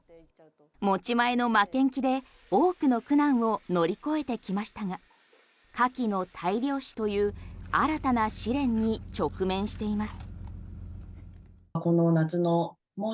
持ち前の負けん気で多くの苦難を乗り越えてきましたがカキの大量死という新たな試練に直面しています。